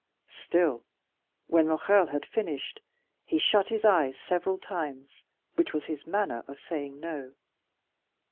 Still, when Morrel had finished, he shut his eyes several times, which was his manner of saying "No."